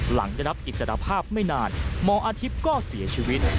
หลังได้รับอิสรภาพไม่นานหมออาทิตย์ก็เสียชีวิต